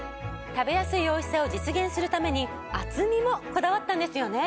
食べやすいおいしさを実現するために厚みもこだわったんですよね。